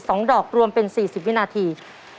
สองดอกรวมเป็น๔๐วินาที